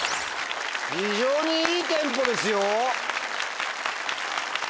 非常にいいテンポですよ。